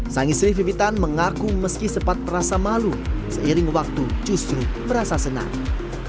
sang istri vivitan mengaku meski sempat merasa malu seiring waktu justru merasa senang